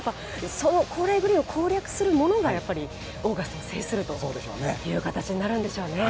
高麗グリーンを攻略するものがオーガスタを制するという形になるんでしょうね。